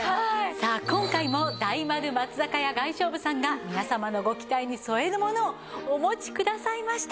さあ今回も大丸松坂屋外商部さんが皆様のご期待に添えるものをお持ちくださいました。